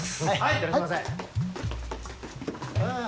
いってらっしゃいませ。